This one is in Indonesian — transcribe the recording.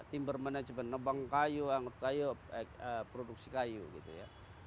timber manajemen nebang kayu anggota kayu produksi kayu gitu ya